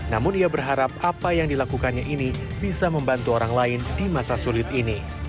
namun ia berharap apa yang dilakukannya ini bisa membantu orang lain di masa sulit ini